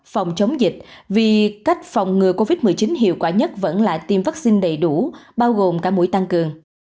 phòng chống dịch vì cách phòng ngừa covid một mươi chín hiệu quả nhất vẫn là tiêm vaccine đầy đủ bao gồm cả mũi tăng cường